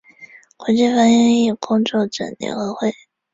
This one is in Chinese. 国际翻译工作者联合会